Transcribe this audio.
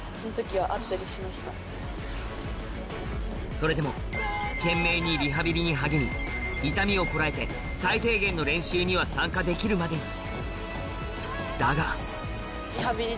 それでも懸命にリハビリに励み痛みをこらえて最低限の練習には参加できるまでにだが今回の。